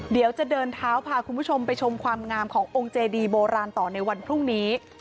เดี๋ยวจะเดินเท้าพาคุณผู้ชมไปชมความงามขององค์เจดีโบราณต่อในวันพรุ่งนี้